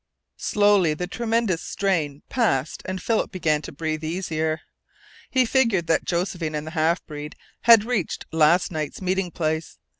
Slowly the tremendous strain passed and Philip began to breathe easier. He figured that Josephine and the half breed had reached last night's meeting place.